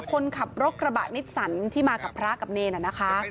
คนขับรถกระบะนิสสันที่มากับพระกับเนรนะคะ